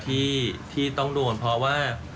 ที่ต้องโดนเพราะว่า